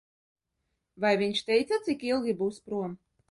Vai viņš teica, cik ilgi būs prom?